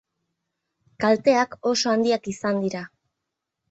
Kalteak oso handiak izan dira.